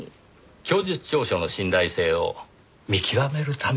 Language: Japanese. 供述調書の信頼性を見極めるためでしょうかね。